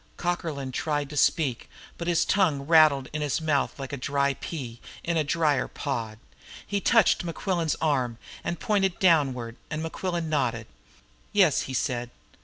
Cockerlyne tried to speak, but his tongue rattled in his mouth like a dry pea, in a drier pod. He touched Mequillen's arm and pointed downward, and Mequillen nodded. "Yes," he said.